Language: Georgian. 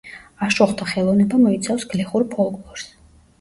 აშუღთა ხელოვნება მოიცავს გლეხურ ფოლკლორს.